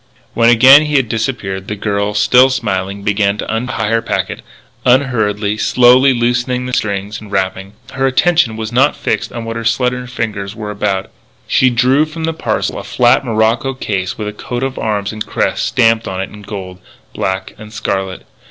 When again he had disappeared, the girl, still smiling, began to untie her packet, unhurriedly, slowly loosening string and wrapping. Her attention was not fixed on what her slender fingers were about. She drew from the parcel a flat morocco case with a coat of arms and crest stamped on it in gold, black, and scarlet.